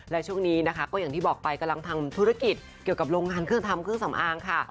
และช่วงนี้นะคะก็อย่างที่บอกไปกำลังทำธุรกิจเกี่ยวกับโรงงานเครื่องทำเครื่องสำอางค่ะ